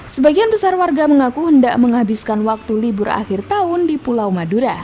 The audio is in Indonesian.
sebagian besar warga mengaku hendak menghabiskan waktu libur akhir tahun di pulau madura